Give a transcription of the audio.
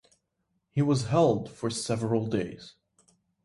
He was held for several days.